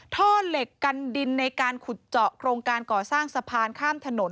ท่อเหล็กกันดินในการขุดเจาะโครงการก่อสร้างสะพานข้ามถนน